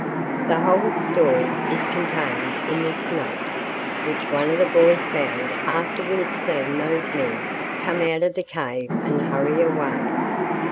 The whole story is contained in this note, which one of the boys found after we had seen those men come out of the cave and hurry away.